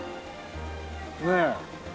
ねえ。